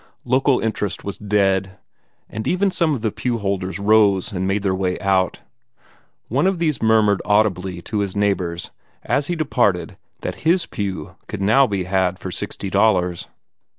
Local interest was dead; and even some of the pewholders rose and made their way out. One of these murmured audibly to his neighbors as he departed that HIS pew could be had now for sixty dollars.